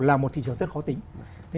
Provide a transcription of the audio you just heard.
là một thị trường rất khó tính